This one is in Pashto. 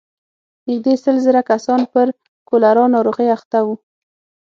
نږدې سل زره کسان پر کولرا ناروغۍ اخته وو.